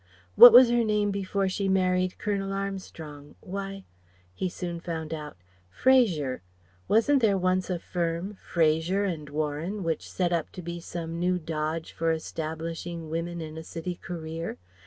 What was her name before she married Colonel Armstrong? why " He soon found out "Fraser." "Wasn't there once a firm, Fraser and Warren, which set up to be some new dodge for establishing women in a city career?